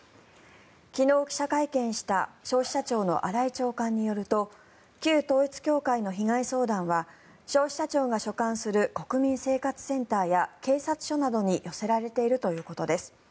昨日、記者会見した消費者庁の新井長官によると旧統一教会の被害相談は消費者庁が所管する国民生活センターや警察署などに寄せられているということです。